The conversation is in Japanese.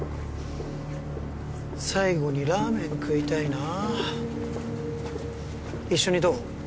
最後にラーメン食いたいなあ一緒にどう？